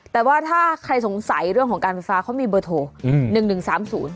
แต่ว่าถ้าใครสงสัยเรื่องของการไฟฟ้าเขามีเบอร์โทร